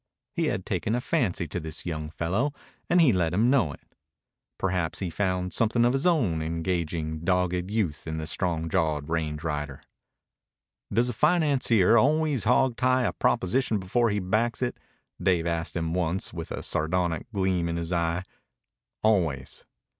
He had taken a fancy to this young fellow, and he let him know it. Perhaps he found something of his own engaging, dogged youth in the strong jawed range rider. "Does a financier always hogtie a proposition before he backs it?" Dave asked him once with a sardonic gleam in his eye. "Always."